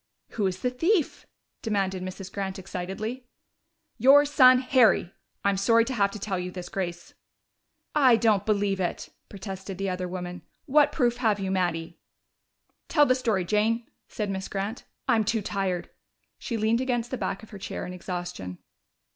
"Who was the thief?" demanded Mrs. Grant excitedly. "Your son Harry! I'm sorry to have to tell you this, Grace." "I don't believe it!" protested the other woman. "What proof have you, Mattie?" "Tell the story, Jane," said Miss Grant. "I'm too tired." She leaned against the back of her chair in exhaustion.